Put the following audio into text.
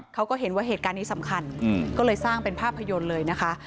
เขาก็เห็นว่าเหตุการณ์นี้สำคัญก็เลยสร้างเป็นภาพยนตร์เลยนะคะ